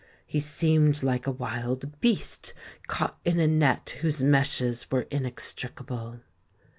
He seemed like a wild beast caught in a net whose meshes were inextricable.